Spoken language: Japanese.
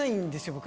僕。